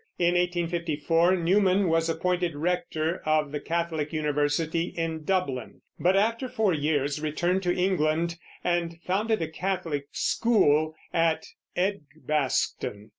In 1854 Newman was appointed rector of the Catholic University in Dublin, but after four years returned to England and founded a Catholic school at Edgbaston.